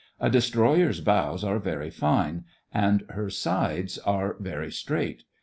A destroyer's bows are very fine, and her sides are very straight.